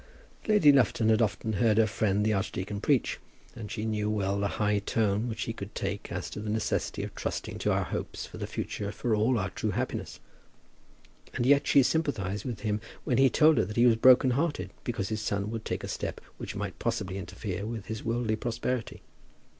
Lady Lufton had often heard her friend the archdeacon preach, and she knew well the high tone which he could take as to the necessity of trusting to our hopes for the future for all our true happiness; and yet she sympathized with him when he told her that he was broken hearted because his son would take a step which might possibly interfere with his worldly prosperity.